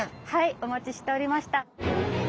お待ちしておりました。